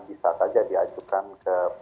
bisa saja diajukan ke